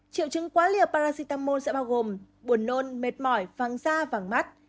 triệu chứng quá liều paracetamol sẽ bao gồm buồn nôn mệt mỏi vàng da vàng mắt